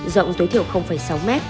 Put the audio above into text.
rộng tối thiểu sáu m